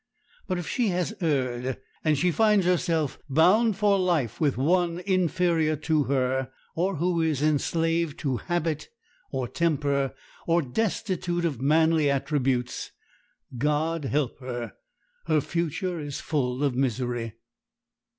But if she has erred, and she finds herself bound for life with one inferior to her, or who is enslaved to habit or temper, or destitute of manly attributes, God help her! Her future is full of misery.